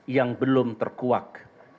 yang belum terkuak